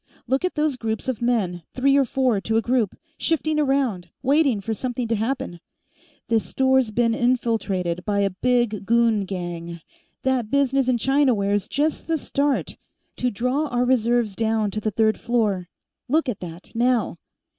Look at those groups of men, three or four to a group, shifting around, waiting for something to happen. This store's been infiltrated by a big goon gang. That business in Chinaware's just the start, to draw our reserves down to the third floor. Look at that, now."